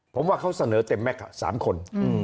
ผมว่าเขาเสนอเต็มมั้ยค่ะ๓คน